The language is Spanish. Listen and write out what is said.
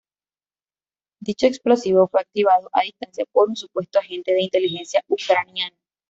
Dicho explosivo fue activado a distancia por un supuesto agente de inteligencia ucraniano.